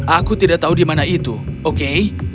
aku tidak tahu di mana itu oke